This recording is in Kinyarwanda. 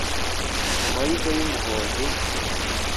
Mu mariza y’Umuhozi